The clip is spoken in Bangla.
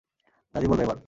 দাদী বলবে এবার।